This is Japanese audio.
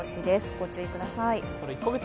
御注意ください。